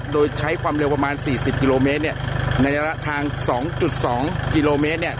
โดยใช้ความเร็วประมาณ๔๐กิโลเมตรเนี่ยในระดับทาง๒๒กิโลเมตรเนี่ย